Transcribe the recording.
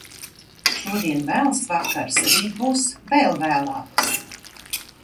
Šodien vēls vakars, rīt būs vēl vēlāks.